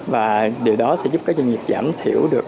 và điều đó sẽ giúp các doanh nghiệp giảm thiểu được